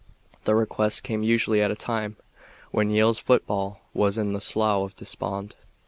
The request came usually at a time when Yale's football was in the slough of despond.